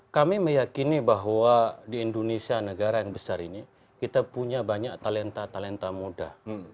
kami meyakini bahwa di indonesia negara yang besar ini kita punya banyak talenta talenta muda